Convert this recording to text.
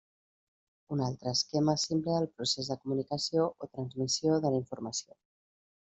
Un altre esquema simple del procés de comunicació o transmissió de la informació.